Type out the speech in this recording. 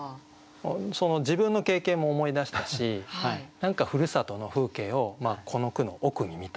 その自分の経験も思い出したし何かふるさとの風景をこの句の奥に見たというか。